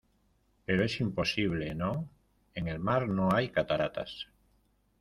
pero es imposible, ¿ no? en el mar no hay cataratas.